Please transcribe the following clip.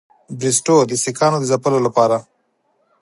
بریسټو د سیکهانو د ځپلو لپاره.